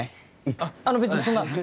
あっあの別にそんな。